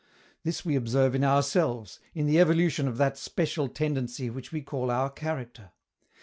This we observe in ourselves, in the evolution of that special tendency which we call our character.